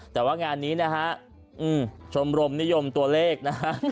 แต่ว่างานนี้นะฮะชมรมนิยมตัวเลขนะฮะ